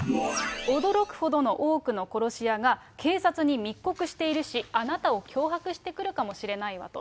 驚くほどの多くの殺し屋が警察に密告しているし、あなたを脅迫してくるかもしれないわと。